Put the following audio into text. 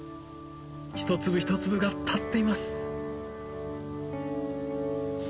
ひと粒ひと粒が立っています